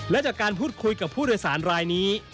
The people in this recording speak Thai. และจากการพูดคุยกับผู้โดยสารรายนี้